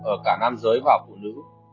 ở cả nam giới và phụ nữ